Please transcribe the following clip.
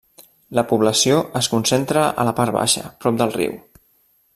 La població es concentra a la part baixa, prop del riu.